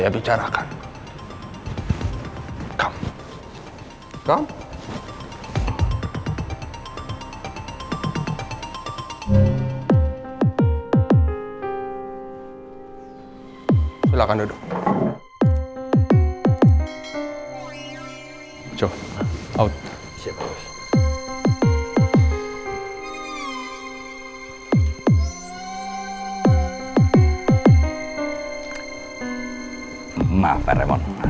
maaf pak remon